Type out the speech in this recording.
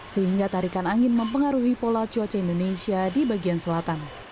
sehingga tarikan angin mempengaruhi pola cuaca indonesia di bagian selatan